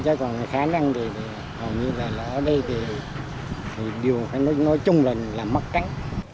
chứ còn khá năng thì hầu như là ở đây thì đều nói chung là mất cắn